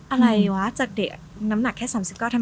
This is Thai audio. อะไรเด็กน้ำหนักแค่๓๐กิโลแทน